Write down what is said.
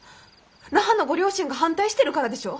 那覇のご両親が反対してるからでしょ？